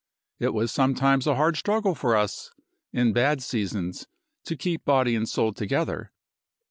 It was sometimes a hard struggle for us, in bad seasons, to keep body and soul together.